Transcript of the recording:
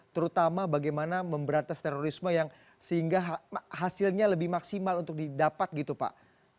terutama bagaimana memberatas terorisme yang sehingga hasilnya lebih maksimal untuk didapat gitu pak